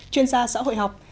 chuyên gia xã hội học